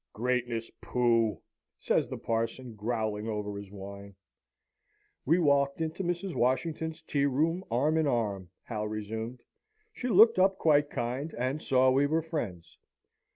"Greatness, pooh!" says the parson, growling over his wine. "We walked into Mrs. Washington's tea room arm in arm," Hal resumed; "she looked up quite kind, and saw we were friends.